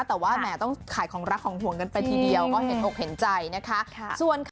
แต่ว่าแหมต้องขายของรักของห่วงกันไปทีเดียวก็เห็นอกเห็นใจนะคะ